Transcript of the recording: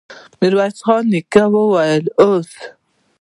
ميرويس نيکه وويل: اوس!